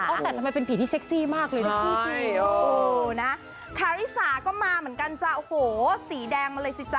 แต่ทำไมเป็นผีที่เซ็กซี่มากเลยนะพี่นะคาริสาก็มาเหมือนกันจ้ะโอ้โหสีแดงมาเลยสิจ๊